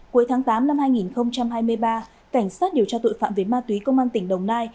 cuối tháng tám năm hai nghìn hai mươi ba cảnh sát điều tra tội phạm về ma túy công an tỉnh đồng nai